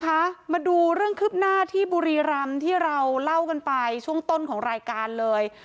มาดูเรื่องคืบหน้าที่บุรีรำที่เราเล่ากันไปช่วงต้นของรายการเลย